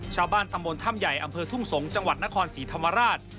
ชาวบ้านตำบลถ้ำใหญ่อำเภอทุ่งสงศ์จังหวัดนครศรีธรรมราช